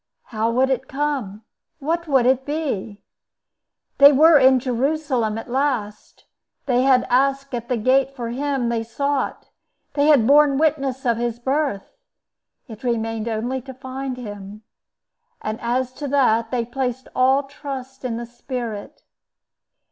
How would it come? What would it be? They were in Jerusalem at last; they had asked at the gate for Him they sought; they had borne witness of his birth; it remained only to find him; and as to that, they placed all trust in the Spirit.